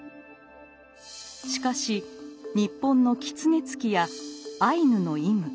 しかし日本の「キツネツキ」やアイヌの「イム」